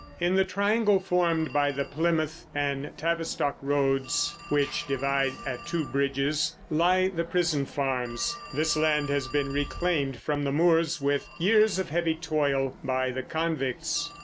In the triangle formed by the Plymouth and Tavistock roads which divide at Two Bridges lie the prison farms. This land has been reclaimed from the moors with years of heavy toil by the convicts.